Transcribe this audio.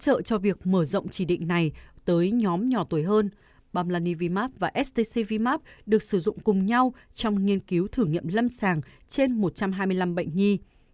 để hỗ trợ cho việc mở rộng chỉ định này tới nhóm nhỏ tuổi hơn bamlanivimap và stcvmap được sử dụng cùng nhau trong nghiên cứu thử nghiệm lâm sàng trên một trăm hai mươi năm bệnh nhi